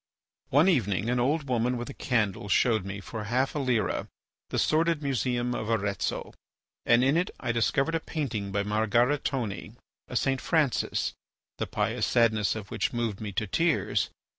One evening an old woman with a candle showed me, for half a lira, the sordid museum of Arezzo, and in it I discovered a painting by Margaritone, a "St. Francis," the pious sadness of which moved me to tears.